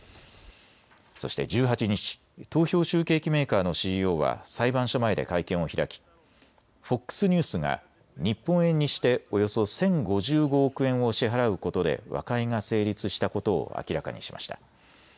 そして１８日、投票集計機メーカーのＣＥＯは裁判所前で会見を開きＦＯＸニュースが日本円にしておよそ１０５５億円を支払うことで和解が成立したことを明らかにしました。